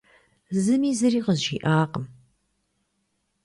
Зыми зыри къызжиӀакъым.